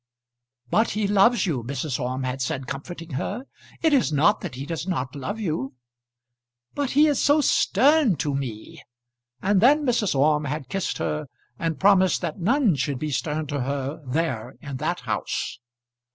"But he loves you," Mrs. Orme had said, comforting her. "It is not that he does not love you." "But he is so stern to me." And then Mrs. Orme had kissed her, and promised that none should be stern to her, there, in that house.